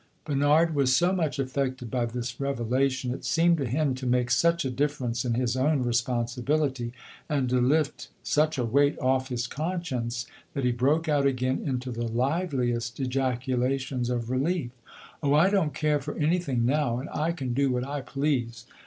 Bernard was so much affected by this revelation, it seemed to him to make such a difference in his own responsibility and to lift such a weight off his conscience, that he broke out again into the liveliest ejaculations of relief. "Oh, I don't care for anything, now, and I can do what I please!